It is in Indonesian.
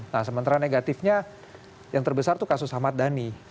nah sementara negatifnya yang terbesar itu kasus ahmad dhani